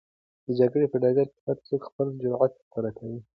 د جګړې په ډګر کې هر څوک خپل جرئت ښکاره کوي.